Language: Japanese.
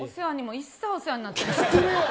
一切お世話になってない。